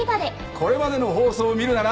これまでの放送を見るなら。